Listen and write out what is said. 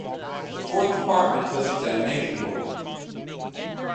The Fourth Department does examination work.